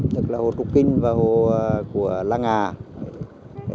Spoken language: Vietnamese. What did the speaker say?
tức là hồ trúc kinh và hồ của lăng hà